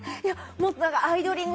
もっと。